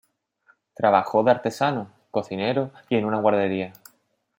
Trabajó de artesano, cocinero y en una guardería.